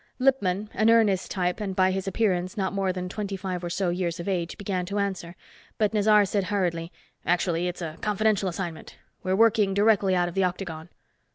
Lippman, an earnest type, and by his appearance not more than twenty five or so years of age, began to answer, but Nazaré said hurriedly, "Actually, it's a confidential assignment. We're working directly out of the Octagon."